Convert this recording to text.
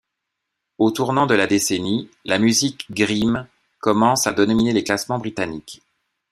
Au tournant de la décennie, la musique grime commence à dominer les classements britanniques.